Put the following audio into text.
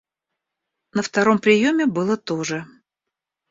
На втором приеме было то же.